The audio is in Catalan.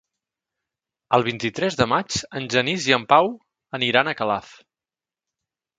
El vint-i-tres de maig en Genís i en Pau aniran a Calaf.